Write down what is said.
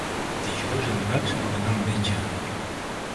Dijous en Max vol anar al metge.